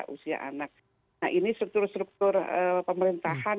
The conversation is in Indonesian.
usia anak nah ini struktur struktur pemerintahan